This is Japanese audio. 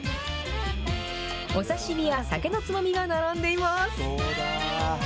お刺身や酒のつまみが並んでいます。